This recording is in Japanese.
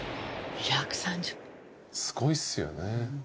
すごいっすよね。